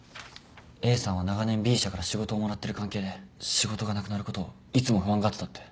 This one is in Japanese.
Ａさんは長年Ｂ社から仕事をもらってる関係で仕事がなくなることをいつも不安がってたって。